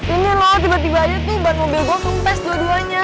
ini loh tiba tiba aja tuh ban mobil gua kempes dua duanya